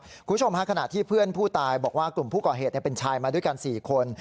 คุณผู้ชมฮะขณะที่เพื่อนผู้ตายบอกว่ากลุ่มผู้ก่อเหตุเป็นชายมาด้วยกัน๔คน